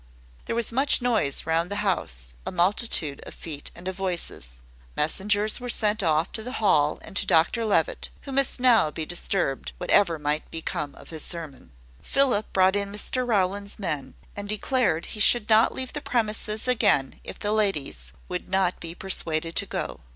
There was much noise round the house a multitude of feet and of voices. Messengers were sent off to the Hall and to Dr Levitt, who must now be disturbed, whatever might become of his sermon. Philip brought in Mr Rowland's men, and declared he should not leave the premises again if the ladies would not be persuaded to go.